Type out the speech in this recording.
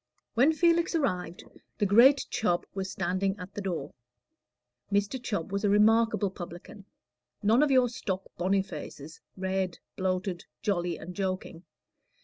When Felix arrived, the great Chubb was standing at the door. Mr. Chubb was a remarkable publican; none of your stock Bonifaces, red, bloated, jolly, and joking.